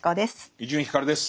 伊集院光です。